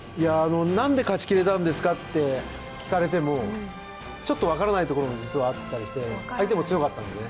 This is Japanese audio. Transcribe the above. なんで勝ちきれたんですかと聞かれてもちょっとわからないところも実はあったりして、相手も強かったんでね。